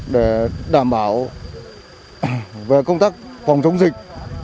để đảm bảo về công tác phòng chống dịch